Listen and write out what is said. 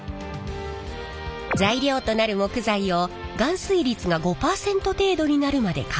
材料となる木材を含水率が５％程度になるまで乾燥させます。